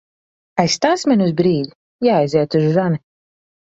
Aizstāsi mani uz brīdi? Jāaiziet uz žani.